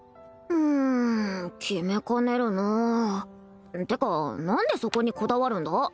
うん決めかねるなってか何でそこにこだわるんだ？